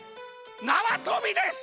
なわとびです！